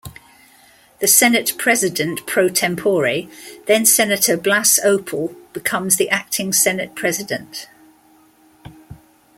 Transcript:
The Senate President Pro-Tempore, then Senator Blas Ople becomes the Acting Senate President.